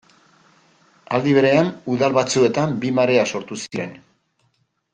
Aldi berean, udal batzuetan bi marea sortu ziren.